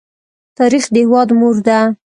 تاریخ د هېواد مور ده.